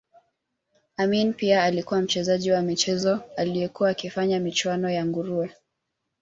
Amin pia alikuwa mchezaji wa michezo aliyekuwa akifanya michuano ya nguruwe